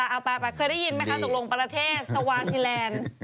เอาไปเคยได้ยินไหมคะตกลงประเทศสวาซีแลนด์